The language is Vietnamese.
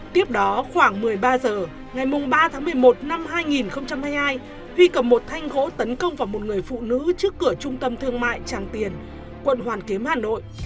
tiếp đó khoảng một mươi ba h ngày ba tháng một mươi một năm hai nghìn hai mươi hai huy cầm một thanh gỗ tấn công vào một người phụ nữ trước cửa trung tâm thương mại tràng tiền quận hoàn kiếm hà nội